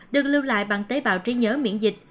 được lưu lại bằng tế bào trí nhớ miễn dịch